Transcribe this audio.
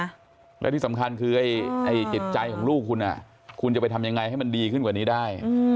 แล้วที่สำคัญคือไอ้จิตใจของลูกคุณคุณจะไปทำยังไงให้มันดีขึ้นกว่านี้ได้